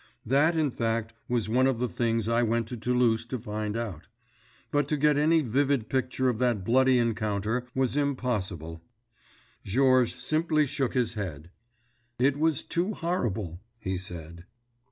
That, in fact, was one of the things I went to Toulouse to find out. But, to get any vivid picture of that bloody encounter was impossible. Georges simply shook his head. "It was too horrible," he said.